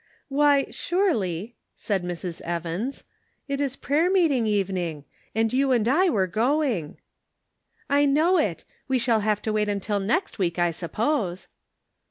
" Why, surely," said Mrs. Evans, " it is prayer meeting evening ; and you and I were going." " I know it ; we shall have to wait until next week, I suppose."